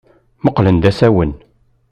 Mmuqqlen d asawen.